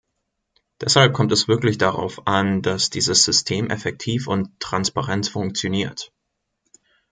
Deshalb kommt es wirklich darauf an, dass dieses System effektiv und transparent funktioniert.